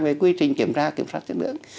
về quy trình kiểm tra kiểm soát chất lượng